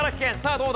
どうだ？